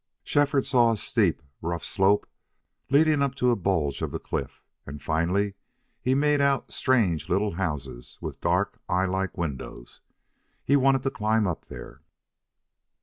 Shefford saw a steep, rough slope leading up to a bulge of the cliff, and finally he made out strange little houses with dark, eyelike windows. He wanted to climb up there.